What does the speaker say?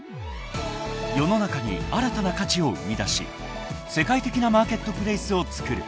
［世の中に新たな価値を生み出し世界的なマーケットプレースをつくる］